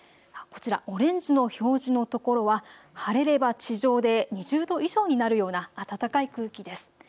こちらオレンジの表示のところは晴れれば地上で２０度以上になるような暖かい空気です。